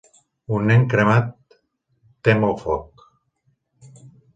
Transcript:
Un nen cremat tem el foc.